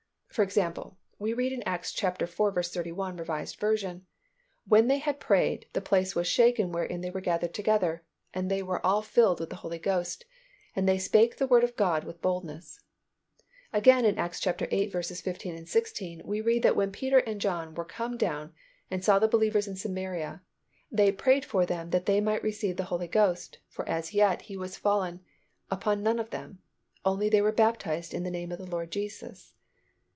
For example, we read in Acts iv. 31, R. V., "When they had prayed, the place was shaken wherein they were gathered together, and they were all filled with the Holy Ghost, and they spake the Word of God with boldness." Again in Acts viii. 15, 16, we read that when Peter and John were come down and saw the believers in Samaria they "prayed for them that they might receive the Holy Ghost, for as yet He was fallen upon none of them, only they were baptized in the name of the Lord Jesus."